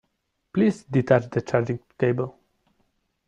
Please detach the charging cable.